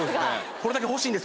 これだけ欲しいんです